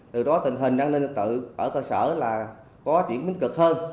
từ đó tình hình an ninh trả tự ở cơ sở có chuyển mức cực hơn